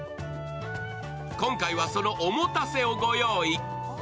今回はそのお持たせをご用意。